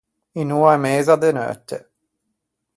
Unn’oa e meza de neutte.